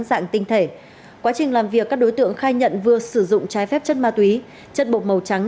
dạng tinh thể quá trình làm việc các đối tượng khai nhận vừa sử dụng trái phép chất ma túy chất bột màu trắng